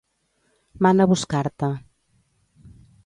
Mana buscar-te.